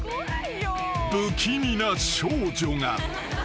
［不気味な少女が］